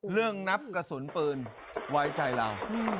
นับกระสุนปืนไว้ใจเรา